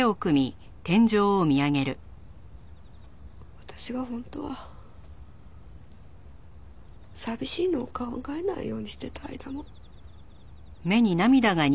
私が本当は寂しいのを考えないようにしてた間も。